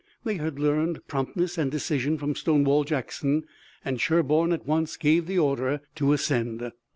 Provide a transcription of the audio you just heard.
They had learned promptness and decision from Stonewall Jackson, and Sherburne at once gave the order to ascend.